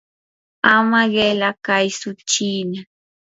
ama qila kaytsu chiina.